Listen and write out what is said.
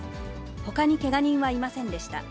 ほかにけが人はいませんでした。